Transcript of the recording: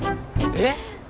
えっ？